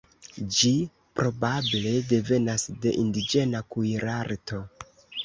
Ĝi probable devenas de indiĝena kuirarto.